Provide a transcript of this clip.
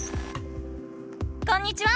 こんにちは！